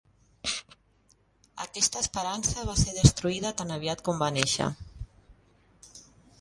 Aquesta esperança va ser destruïda tan aviat com va néixer.